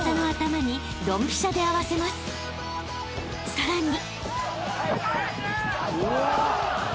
［さらに］